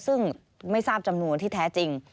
ซึ่งไม่ทราบจำนวนที่แท้จริง